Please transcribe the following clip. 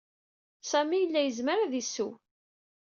Sami yella yezmer ad yesseww.